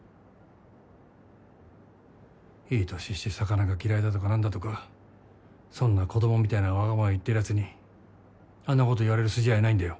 いい年して魚が嫌いだとか何だとかそんな子供みたいなわがまま言ってるやつにあんなこと言われる筋合いないんだよ。